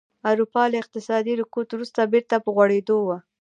اروپا له اقتصادي رکود وروسته بېرته په غوړېدو وه